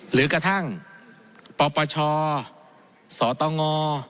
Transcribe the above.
หรือกระทั่งปปชสตง